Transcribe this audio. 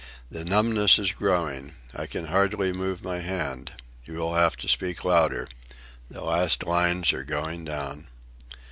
"The numbness is growing. I can hardly move my hand. You will have to speak louder. The last lines are going down."